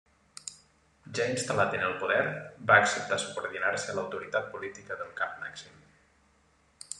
Ja instal·lat en el poder va acceptar subordinar-se a l'autoritat política del Cap Màxim.